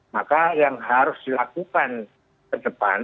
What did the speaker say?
maka yang harus dilakukan ke depan